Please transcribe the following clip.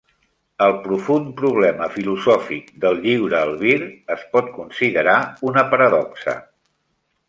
El profund problema filosòfic del lliure albir es pot considerar una paradoxa.